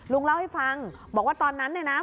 ลุงเล่าให้ฟังบอกว่าตอนนั้นเนี่ยนะ